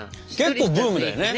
結構ブームだよね。